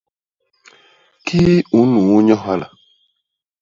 Kii u nnuu nyo hala?.